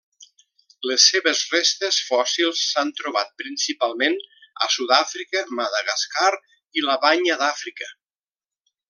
Les seves restes fòssils s'han trobat principalment a Sud-àfrica, Madagascar i la Banya d'Àfrica.